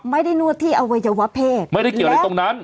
นวดที่อวัยวะเพศไม่ได้เกี่ยวอะไรตรงนั้น